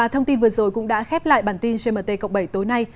thông tin vừa rồi cũng đã khép lại bản tin gmt cộng bảy tối nay